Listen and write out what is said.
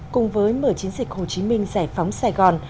cùng với mở chiến dịch hồ chí minh giải phóng sài gòn